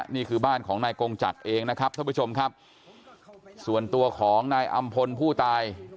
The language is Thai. นี่คือบ้านของนายกงจักรเองนะครับท่านผู้ชมครับส่วนตัวของนายอำพลผู้ตาย